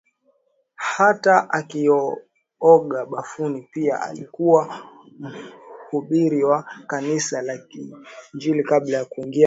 hata akioga bafuni Pia alikuwa mhubiri wa kanisa la kiinjili kabla ya kujiunga na